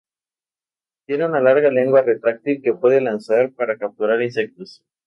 Tiene una larga lengua retráctil que puede lanzar para capturar insectos.